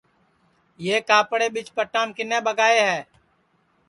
یہ کاپڑے ٻیچ پٹام کِنے ٻگائے ہے